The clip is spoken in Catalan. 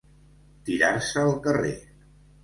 Tirar-se al carrer.